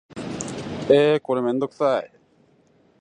えーこれめんどくさい